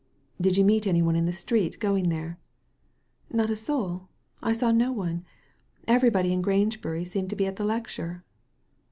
"Did you meet any one in the street going there?" " Not a soul I saw no one. Everybody in Grange bury seemed to be at the lecture."